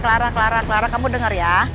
clara clara clara kamu dengar ya